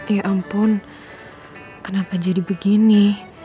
ya ampun kenapa jadi begini